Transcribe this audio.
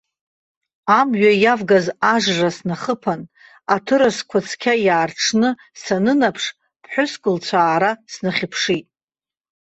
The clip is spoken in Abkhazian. Амҩа иавгаз ажра снахыԥан, аҭырасқәа цқьа иаарҽны, санынаԥш, ԥҳәыск лцәаара снахьыԥшит.